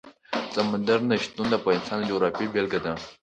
سمندر نه شتون د افغانستان د جغرافیې بېلګه ده.